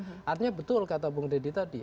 tapi itu sebenarnya betul kata bung deddy tadi